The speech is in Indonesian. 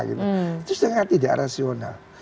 itu sangat tidak rasional